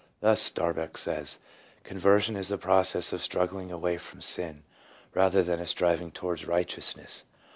Thus, Starbuck says, " Conversion is a process of struggling away from sin, rather than a striving towards righteousness."